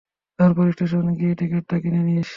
তারপর স্টেশন গিয়ে টিকেটটা কিনে নিস।